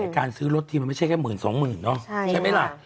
การซื้อรถทีมันไม่ใช่แค่หมื่นสองหมื่นเนาะใช่ไหมล่ะ